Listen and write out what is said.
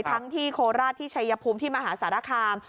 ทั้งที่โคลราศที่ชายพุมที่มหาศาลคาม